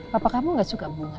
bapak kamu gak suka bunga